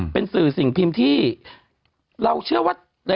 เป็นสื่อสิ่งพิมพ์ที่เราเชื่อว่า